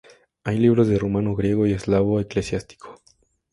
Hay libros en rumano, griego y eslavo eclesiástico.